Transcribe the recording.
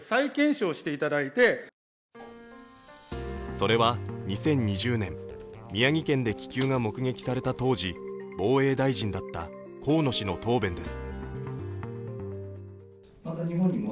それは２０２０年、宮城県で気球が目撃された当時、防衛大臣だった河野氏の答弁です。